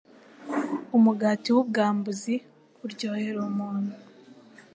Umugati w’ubwambuzi uryohera umuntu